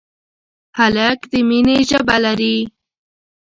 هلک د مینې ژبه لري.